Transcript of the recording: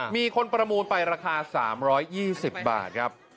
มีคนประมูลไปราคา๓๒๐บาทครับ